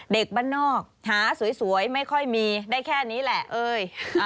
เด็กบ้านนอกหาสวยไม่ค่อยมีได้แค่นี้แหละเอ้ย